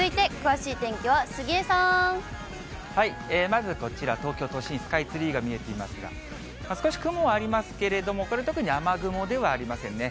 まずこちら、東京都心、スカイツリーが見えていますが、少し雲はありますけれども、これ、特に雨雲ではありませんね。